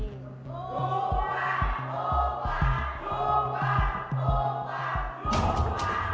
ตูกกว่า